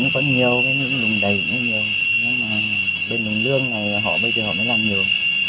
có nhiều lùng đầy cũng nhiều nhưng mà bên lùng lường này bây giờ họ mới làm nhiều